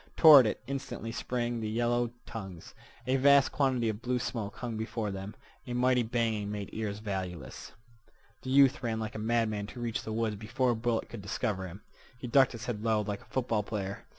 Toward it instantly sprang the yellow tongues. A vast quantity of blue smoke hung before them. A mighty banging made ears valueless. The youth ran like a madman to reach the woods before a bullet could discover him. He ducked his head low, like a football player.